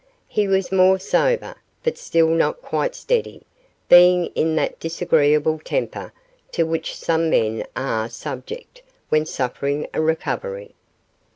He was more sober, but still not quite steady, being in that disagreeable temper to which some men are subject when suffering a recovery.